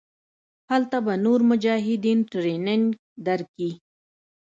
هلته به نور مجاهدين ټرېننګ دركي.